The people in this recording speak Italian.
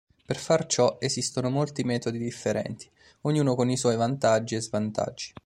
Per far ciò esistono molti metodi differenti, ognuno con i suoi vantaggi e svantaggi.